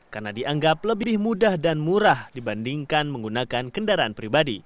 karena dianggap lebih mudah dan murah dibandingkan menggunakan kendaraan pribadi